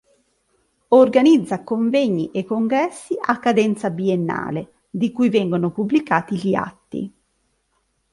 Organizza convegni e congressi a cadenza biennale, di cui vengono pubblicati gli atti.